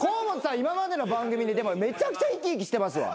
今までの番組めちゃくちゃ生き生きしてますわ。